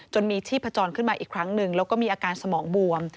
มีชีพจรขึ้นมาอีกครั้งหนึ่งแล้วก็มีอาการสมองบวม